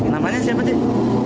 namanya siapa sih